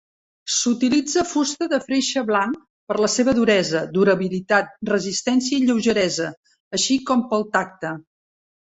S'utilitza fusta de freixe blanc per la seva duresa, durabilitat, resistència i lleugeresa, així com pel tacte.